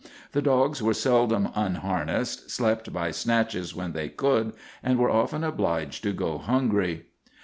The dogs were seldom unharnessed, slept by snatches when they could, and were often obliged to go hungry.